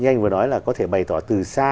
như anh vừa nói là có thể bày tỏ từ xa